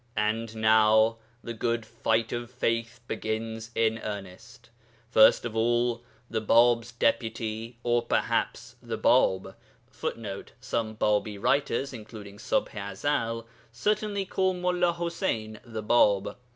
And now the 'good fight of faith' begins in earnest. First of all, the Bāb's Deputy (or perhaps 'the Bāb' [Footnote: Some Bābī writers (including Ṣubḥ i Ezel) certainly call MullāḤuseyn 'the Bāb.'